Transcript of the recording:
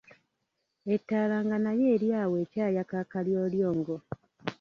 Ettaala nga nayo eri awo ekyayaka akalyolyongo.